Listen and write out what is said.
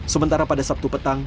sementara pada sabtu petang